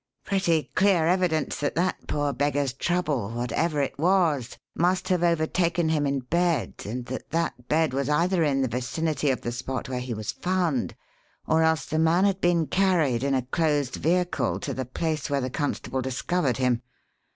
"Pretty clear evidence that that poor beggar's trouble, whatever it was, must have overtaken him in bed and that that bed was either in the vicinity of the spot where he was found, or else the man had been carried in a closed vehicle to the place where the constable discovered him.